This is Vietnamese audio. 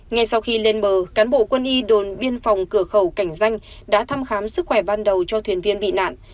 ngay sau khi lên bờ cán bộ quân y đồn biên phòng cờ khẩu càng xanh đã thăm khám sức khỏe ban đầu cho thuyền viên bị nạn